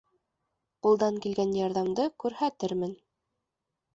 Ҡулдан килгән ярҙамды күрһәтермен.